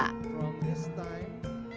bapak abot sengendi pak